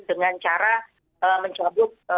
dengan cara mencabut